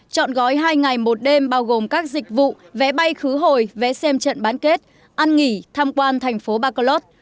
chọn gói hai ngày một đêm bao gồm các dịch vụ vé bay khứ hồi vé xem trận bán kết ăn nghỉ tham quan thành phố bacrlot